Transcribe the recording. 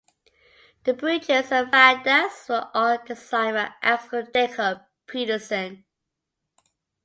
The bridges and viaducts were all designed by Axel Jacob Petersson.